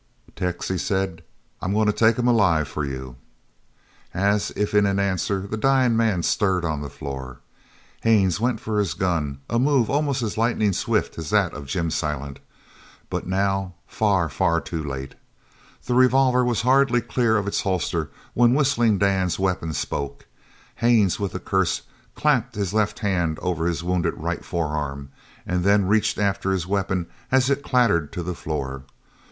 "Tex," he said, "I'm goin' to take him alive for you!" As if in answer the dying man stirred on the floor. Haines went for his gun, a move almost as lightning swift as that of Jim Silent, but now far, far too late. The revolver was hardly clear of its holster when Whistling Dan's weapon spoke. Haines, with a curse, clapped his left hand over his wounded right forearm, and then reached after his weapon as it clattered to the floor.